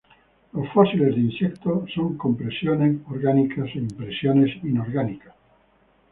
Los fósiles de insectos son compresiones orgánicas e impresiones inorgánicas.